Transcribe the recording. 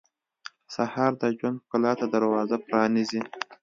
سهار د ژوند ښکلا ته دروازه پرانیزي.